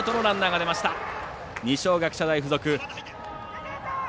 二松学舎大付属。